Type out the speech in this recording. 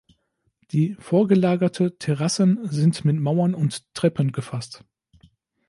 Die vorgelagerte Terrassen sind mit Mauern und Treppen gefasst.